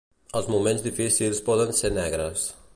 Els moments difícils poden ser negres.